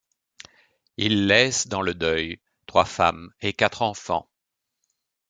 Il laisse dans le deuil trois femmes et quatre enfants.